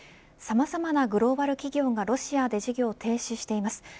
さまざまなグローバル企業がロシアで事業を停止しています。